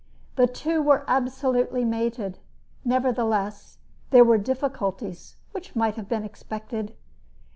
The two were absolutely mated. Nevertheless, there were difficulties which might have been expected.